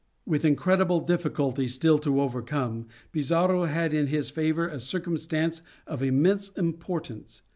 With incredible difficulties still to overcome, Pizarro had in his favor a circumstance of immense importance.